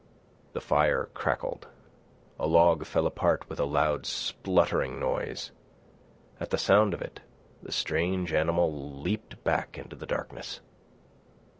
The fire crackled. A log fell apart with a loud spluttering noise. At the sound of it the strange animal leaped back into the darkness.